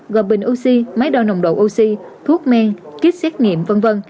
gồm bình oxy máy đo nồng độ oxy thuốc men kit xét nghiệm v v